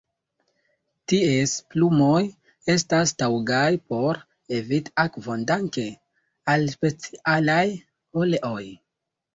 Ties plumoj estas taŭgaj por eviti akvon danke al specialaj oleoj.